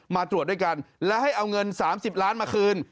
มาตรวจด้วยกันและให้เอาเงิน๓๐ล้านมาคืน